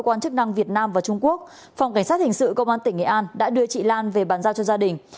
cơ quan chức năng việt nam và trung quốc phòng cảnh sát hình sự công an tỉnh nghệ an đã đưa chị lan về bàn giao cho gia đình